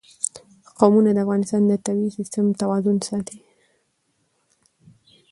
قومونه د افغانستان د طبعي سیسټم توازن ساتي.